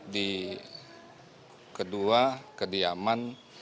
di kedua kediaman